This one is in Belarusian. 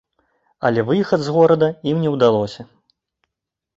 Але выехаць з горада ім не ўдалося.